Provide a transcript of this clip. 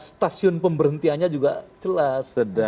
stasiun pemberhentianya juga jelas